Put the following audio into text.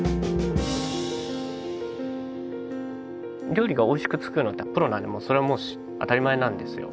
料理がおいしく作るのってプロなんでそれはもう当たり前なんですよ。